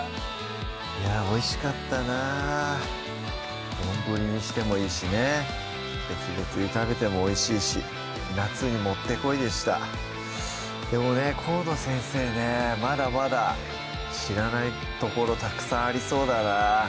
いやぁおいしかったな丼にしてもいいしね別々に食べてもおいしいし夏にもってこいでしたでもね河野先生ねまだまだ知らないところたくさんありそうだな